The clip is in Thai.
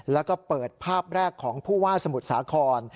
แล้วก็เปิดภาพแรกของผู้ว่าสมุทรสาคร